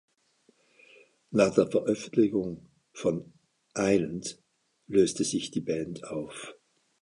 Nach der Veröffentlichung von "Islands" löste sich die Band auf.